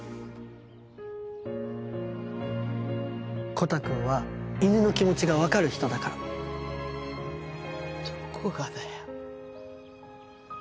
コタくんは犬の気持ちが分かる人だからどこがだよ。